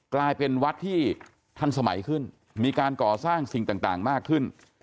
กลายเป็นวัดที่ทันสมัยขึ้นมีการก่อสร้างสิ่งต่างมากขึ้น